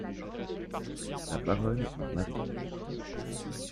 La Baronne et Marie.